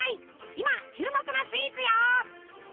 今注目のスイーツよ！